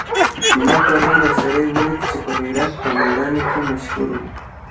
ما پرون یو سړی ولیدی چي په غیرت او مېړانه کي مشهور و.